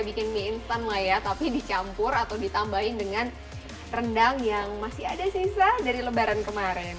bikin mie instan lah ya tapi dicampur atau ditambahin dengan rendang yang masih ada sisa dari lebaran kemarin